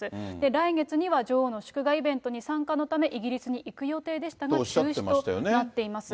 来月には女王の祝賀イベントに参加のため、イギリスに行く予定でしたが、中止となっています。